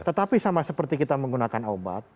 tetapi sama seperti kita menggunakan obat